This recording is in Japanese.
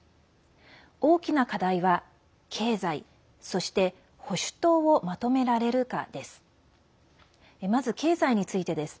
大きな課題は経済、そして保守党をまとめられるかです。